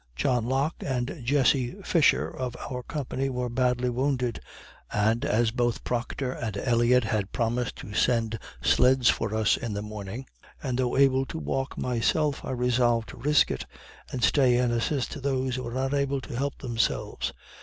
John Locke and Jesse Fisher, of our company, were badly wounded; and as both Proctor and Elliott had promised to send sleds for us in the morning, and though able to walk myself, I resolved to risk it, and stay and assist those who were not able to help themselves.